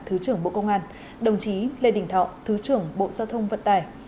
thứ trưởng bộ công an đồng chí lê đình thọ thứ trưởng bộ giao thông vận tải